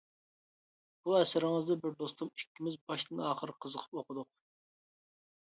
بۇ ئەسىرىڭىزنى بىر دوستۇم ئىككىمىز باشتىن-ئاخىرى قىزىقىپ ئوقۇدۇق.